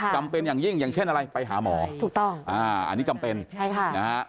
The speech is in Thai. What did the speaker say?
จำเป็นอย่างยิ่งอย่างเช่นอะไรไปหาหมอถูกต้องอ่าอันนี้จำเป็นใช่ค่ะนะฮะ